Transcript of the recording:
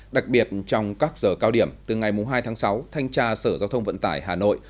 đặc biệt trong các giờ cao điểm từ ngày hai tháng sáu thanh tra sở giao thông vận tải hà nội